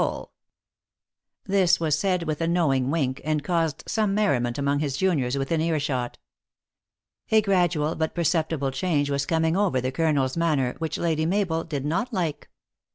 39 soul." This was said with a knowing wink, and caus ed some merriment among his juniors within ear shot. A gradual but perceptible change was coining over the colonel s manner, which Lady Mabel did not like.